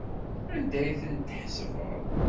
Anda ay tent-tḥesbeḍ?